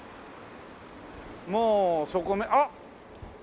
もうそこねあっ！